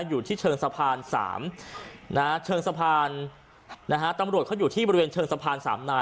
อยู่ที่เชิงสะพาน๓นะฮะเชิงสะพานนะฮะตำรวจเขาอยู่ที่บริเวณเชิงสะพานสามนา